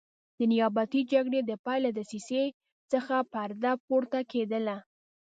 د نیابتي جګړې د پیل له دسیسې څخه پرده پورته کېدله.